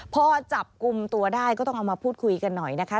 พอจับกลุ่มตัวได้ก็ต้องเอามาพูดคุยกันหน่อยนะคะ